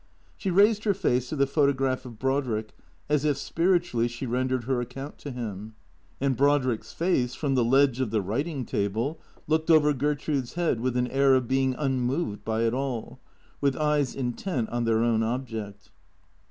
She raised her face to the photograph of Brodrick, as if spir itually she rendered her account to him. And Brodrick's face, from the ledge of the writing table, looked over Gertrude's head with an air of being unmoved by it all, with eyes intent on their own object.